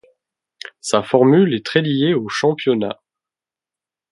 Sa formule est très liée au championnat.